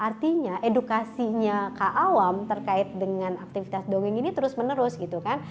artinya edukasinya ke awam terkait dengan aktivitas dongeng ini terus menerus gitu kan